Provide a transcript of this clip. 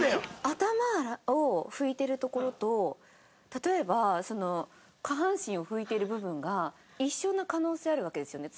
頭を拭いてる所と例えば下半身を拭いてる部分が一緒の可能性あるわけですよね。